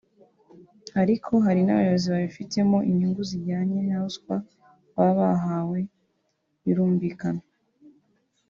ariko hari n’abayobozi babifitemo inyungu zijyanye na ruswa baba bahawe birumbikana